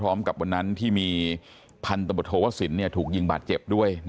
พร้อมกับวันนั้นที่มีพันธบทวะศิลป์ถูกยิงบาดเจ็บ